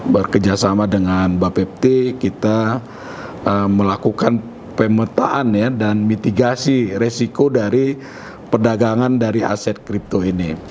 bekerjasama dengan bapepti kita melakukan pemetaan dan mitigasi resiko dari perdagangan dari aset kripto ini